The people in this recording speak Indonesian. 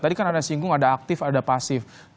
tadi kan anda singgung ada aktif ada pasif